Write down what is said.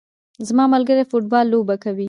زما ملګري د فوټبال لوبه کوي